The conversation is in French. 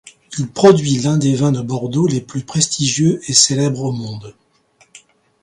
Il produit l'un des vins de Bordeaux les plus prestigieux et célèbres au monde.